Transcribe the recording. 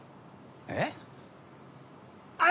えっ？